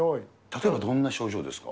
例えばどんな症状ですか。